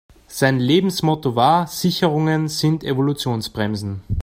Sein Lebensmotto war: Sicherungen sind Evolutionsbremsen.